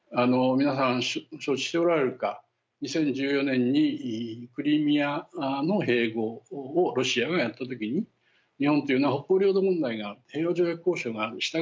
皆さん承知しておられるか２０１４年にクリミアの併合をロシアがやったときに日本というのは北方領土問題が平和条約交渉がある。